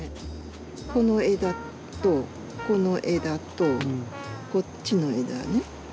この枝とこの枝とこっちの枝ね。